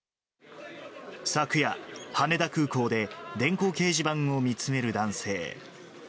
昨夜、羽田空港で電光掲示板を見つめる男性。